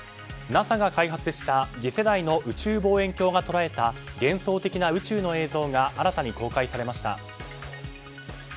ＮＡＳＡが開発した次世代の宇宙望遠鏡が捉えた幻想的な宇宙の映像が新たに公開されました。